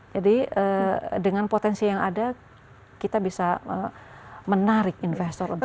jadi dengan potensi yang ada kita bisa menarik investor untuk masuk